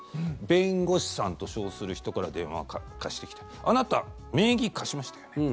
弁護士さんと称する人から電話がかかってきてあなた、名義貸しましたよね？